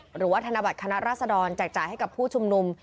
หรือว่าธนบัตรคณะราษดรแจกจ่ายให้กับผู้ชุมนุม